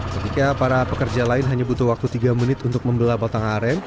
ketika para pekerja lain hanya butuh waktu tiga menit untuk membela batang aren